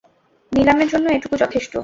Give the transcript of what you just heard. নিলামের জন্য এটুকু যথেষ্ট।